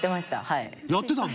はい。